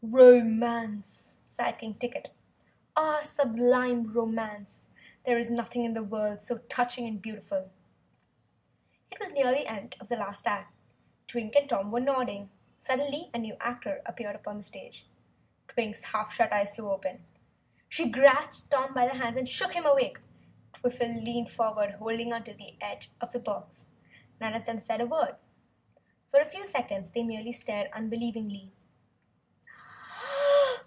"Romance!" sighed King Ticket. "Ah, sublime romance there is nothing in the world so touching and beautiful!" It was near the end of the last act. Twink and Tom were nodding. Suddenly a new actor appeared upon the stage. Twink's half shut eyes flew open. She grasped Tom by the arms and shook him awake. Twiffle leaned forward, holding on to the rail of the box. None of them said a word. For a few seconds they merely stared, unbelievingly.